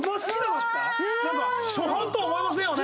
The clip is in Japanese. なんか初犯とは思えませんよね。